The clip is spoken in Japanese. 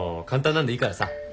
簡単なんでいいからさ。